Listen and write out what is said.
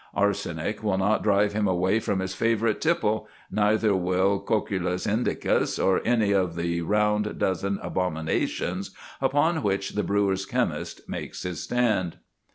Arsenic will not drive him away from his favourite tipple, neither will cocculus indicus or any of the round dozen abominations upon which the brewer's chemist takes his stand.